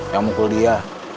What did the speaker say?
yang mukul dia